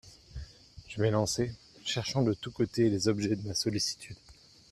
Je m'élançai, cherchant de tous côtés les objets de ma sollicitude.